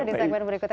di segmen berikutnya